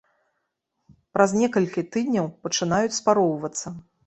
Праз некалькі тыдняў пачынаюць спароўвацца.